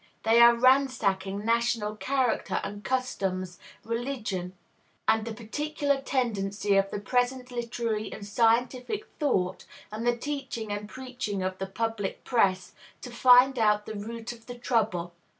They are ransacking "national character and customs, religion, and the particular tendency of the present literary and scientific thought, and the teaching and preaching of the public press," to find out the root of the trouble.